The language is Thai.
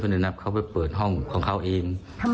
คนนั้นเขาไม่หรอครับ